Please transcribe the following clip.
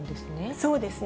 そうですね。